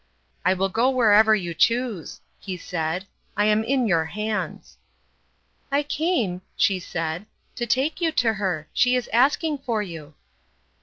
" I will go wherever you choose," he said ;" I am in your hands." "I came," she said, "to take you to her. She is asking for you."